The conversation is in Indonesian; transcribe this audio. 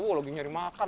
woh lagi nyari makan